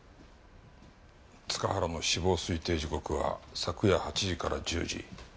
塚原の死亡推定時刻は昨夜８時から１０時。